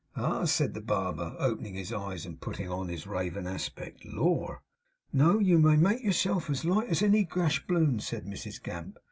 'Ah!' said the barber, opening his eyes, and putting on his raven aspect; 'Lor!' 'No. You may make yourself as light as any gash balloon,' said Mrs Gamp.